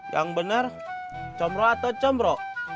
yang benar comroh atau combro